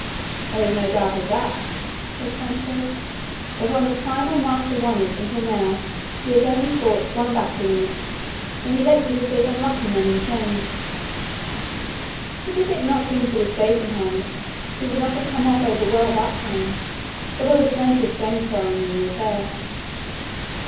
"There is no doubt of that," said Sancho, "for from the time my master won it until now he has only fought one battle in it, when he let loose those unlucky men in chains; and if had not been for this basin helmet he would not have come off over well that time, for there was plenty of stone throwing in that affair."